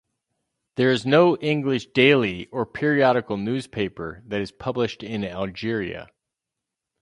There is no English daily or periodical newspaper that is published in Algeria.